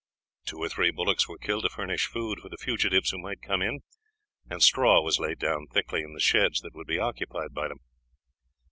Two or three bullocks were killed to furnish food for the fugitives who might come in, and straw was laid down thickly in the sheds that would be occupied by them.